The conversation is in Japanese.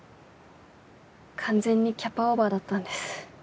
完全にキャパオーバーだったんです。